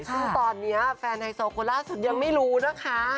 ซึ่งตอนนี้แฟนไฮโซคนล่าสุดยังไม่รู้นะคะ